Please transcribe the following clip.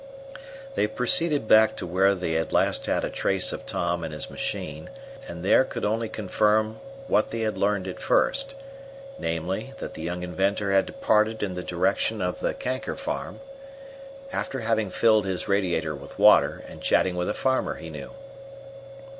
They proceeded back to where they had last had a trace of Tom in his machine, and there could only confirm what they had learned at first, namely, that the young inventor had departed in the direction of the Kanker farm, after having filled his radiator with water, and chatting with a farmer he knew.